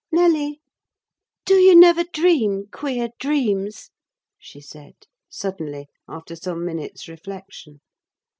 "Nelly, do you never dream queer dreams?" she said, suddenly, after some minutes' reflection.